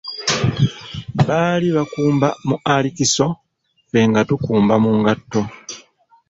Baali bakumba mu arikiso Ffe nga tukumba mu ngatto!